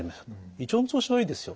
胃腸の調子はいいですよ。